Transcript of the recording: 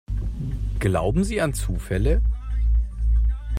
Glauben Sie an Zufälle?